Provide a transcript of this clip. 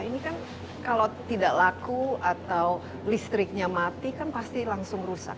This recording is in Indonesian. ini kan kalau tidak laku atau listriknya mati kan pasti langsung rusak